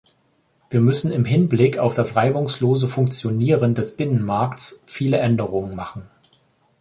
Wir müssen im Hinblick auf das reibungslose Funktionieren des Binnenmarkts viele Änderungen machen.